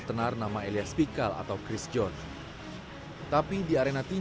saya harus menahan sakit setiap muntul